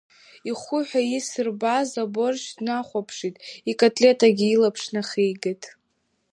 Ихәы ҳәа исырбаз аборш днахәаԥшит, икатлетгьы илаԥш нахигеит.